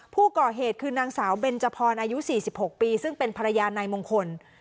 ผู้ก่อเหตุคือนางสาวเบนจพรอายุ๔๖ปีซึ่งเป็นภรรยานายมงคล